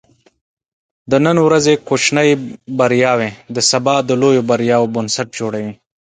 د نن ورځې کوچني بریاوې د سبا د لویو بریاوو بنسټ جوړوي.